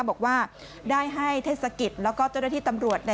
บอกว่าได้ให้เทศกิจแล้วก็เจ้าหน้าที่ตำรวจ